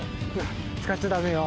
使っちゃダメよ。